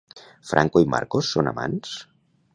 Franco i Marcos són amants?